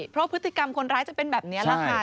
เพราะพฤติกรรมคนร้ายจะเป็นแบบนี้แหละค่ะ